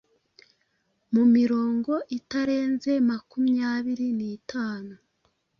Mu mirongo itarenze maakumyabiri n’itanu,